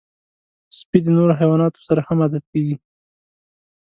سپي د نورو حیواناتو سره هم عادت کېږي.